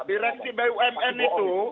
direksi bumn itu